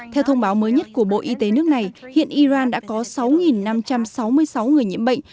theo thông báo mới nhất của bộ y tế nước này hiện iran đã có sáu năm trăm sáu mươi sáu người nhiễm bệnh